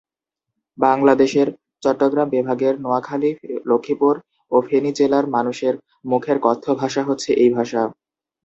বাংলাদেশের চট্টগ্রাম বিভাগের নোয়াখালী, লক্ষ্মীপুর ও ফেনী জেলার মানুষের মুখের কথ্য ভাষা হচ্ছে এই ভাষা।